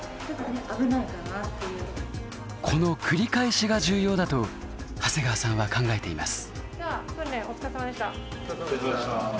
この繰り返しが重要だと長谷川さんは考えています。